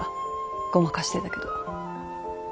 ごまかしてたけど。